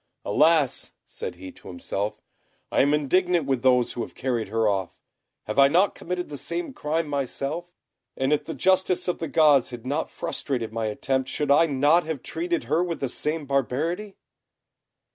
"Alas!" said he to himself, "I am indignant with those who have carried her off. Have I not committed the same crime myself? and if the justice of the gods had not frustrated my attempt, should I not have treated her with the same barbarity?"